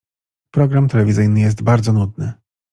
program telewizyjny jest bardzo nudny